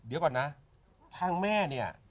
เดี๋ยวก่อนนะทางแม่เนี่ย